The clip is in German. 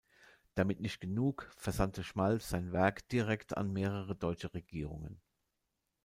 Damit nicht genug, versandte Schmalz sein Werk direkt an mehrere deutsche Regierungen.